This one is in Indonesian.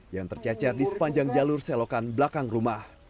yang tercecer di sepanjang jalur selokan belakang rumah